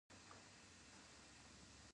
هغې د پاک غزل په اړه خوږه موسکا هم وکړه.